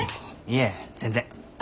いえ全然。